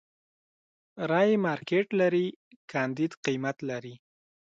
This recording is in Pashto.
رايې مارکېټ لري، کانديد قيمت لري.